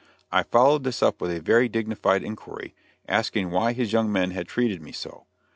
I followed this up with a very dignified inquiry, asking why his young men had treated me so.